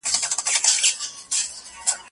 قدرت ژوند، دین او ناموس د پاچاهانو